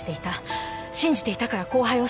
信じていたから後輩を誘った。